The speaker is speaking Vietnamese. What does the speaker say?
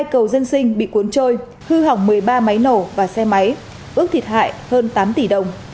hai cầu dân sinh bị cuốn trôi hư hỏng một mươi ba máy nổ và xe máy ước thiệt hại hơn tám tỷ đồng